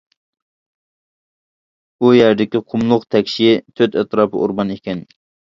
ئۇ يەردىكى قۇملۇق تەكشى، تۆت ئەتراپى ئورمان ئىكەن.